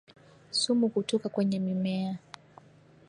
Sumu kutoka kwenye mimea